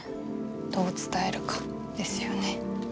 どう伝えるかですよね。